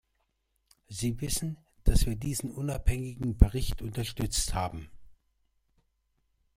Sie wissen, dass wir diesen unabhängigen Bericht unterstützt haben.